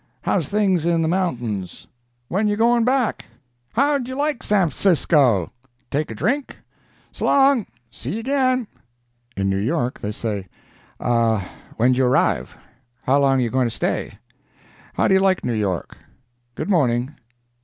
—How's things in the mountains?—When you going back?—Howd you like Sanfcisco?—Take a drink?—So long; see you again." In New York they say: "Ah, when'd you arrive?—How long you going to stay?—How do you like New York?—Good morning."